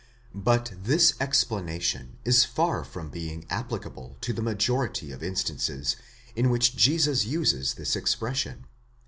But this explanation is far from being applicable to the majority of in stances in which Jesus uses this expression.